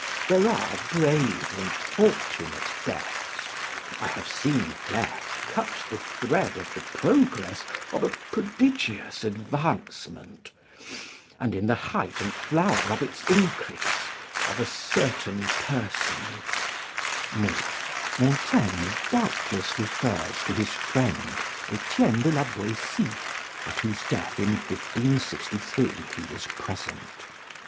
There are brave and fortunate deaths: I have seen death cut the thread of the progress of a prodigious advancement, and in the height and flower of its increase, of a certain person, [Montaigne doubtless refers to his friend Etienne de la Boetie, at whose death in 1563 he was present.